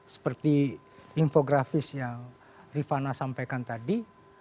seperti infografis yang rifana sampaikan tadi